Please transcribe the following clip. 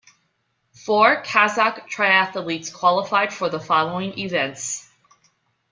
Four Kazakh triathletes qualified for the following events.